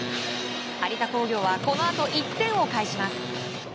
有田工業はこのあと１点を返します。